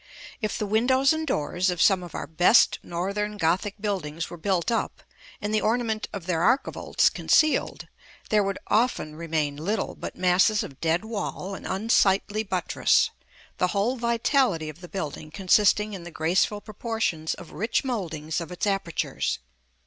]§ I. If the windows and doors of some of our best northern Gothic buildings were built up, and the ornament of their archivolts concealed, there would often remain little but masses of dead wall and unsightly buttress; the whole vitality of the building consisting in the graceful proportions or rich mouldings of its apertures.